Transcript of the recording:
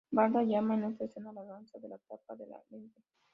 Varda llama esta escena "La danza de la tapa de la lente".